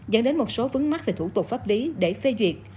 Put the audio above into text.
dẫn đến một số vấn mắc về thủ tục pháp lý để phê duyệt